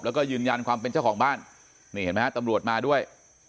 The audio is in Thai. แล้วก็ยืนยันความเป็นเจ้าของบ้านนี่เห็นไหมฮะตำรวจมาด้วย